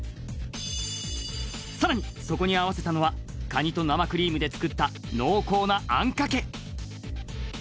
さらにそこに合わせたのはカニと生クリームで作った濃厚な餡かけ